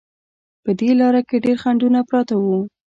په دې لاره کې ډېر خنډونه پراته وو.